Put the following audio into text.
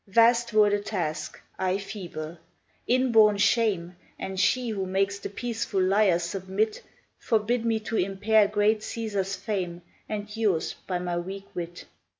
Vast were the task, I feeble; inborn shame, And she, who makes the peaceful lyre submit, Forbid me to impair great Caesar's fame And yours by my weak wit.